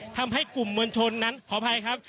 ทำให้กลุ่มมวลชนนั้นขออภัยครับ